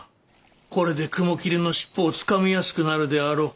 これで雲霧の尻尾をつかみやすくなるであろう。